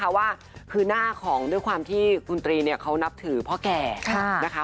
เพราะว่าคือหน้าของด้วยความที่คุณตรีเนี่ยเขานับถือพ่อแก่นะคะ